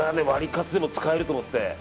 ワリカツでも使えると思って。